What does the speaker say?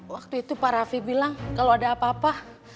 waktu itu pak raffi bilang kalau ada apa apa